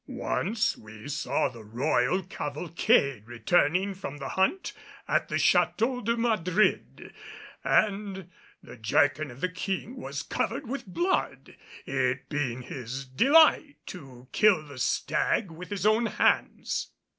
Once we saw the royal cavalcade returning from the hunt at the Château de Madrid, and the jerkin of the King was covered with blood, it being his delight to kill the stag with his own hands.